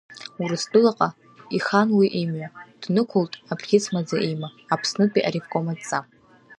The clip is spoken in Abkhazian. Урыстәылаҟа ихан уи имҩа, днықәылт абӷьыц маӡа има, Аԥснытәи аревком адҵа.